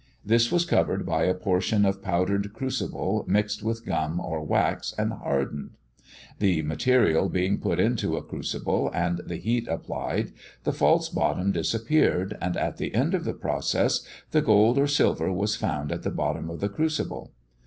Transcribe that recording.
This was covered by a portion of powdered crucible mixed with gum or wax, and hardened. The material being put into a crucible and the heat applied, the false bottom disappeared; and at the end of the process, the gold or silver was found at the bottom of the crucible.